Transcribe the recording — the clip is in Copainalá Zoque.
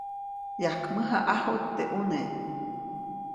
Yajkmäjaʼajuʼt teʼ ʼune.